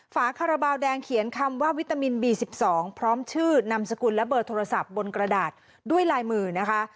ฝาคาราบาลแดงเขียนคำว่าวิตามินบี๑๒พร้อมชื่อนามสกุลและเบอร์โทรศัพท์บนกระดาษด้วยลายมือนะคะ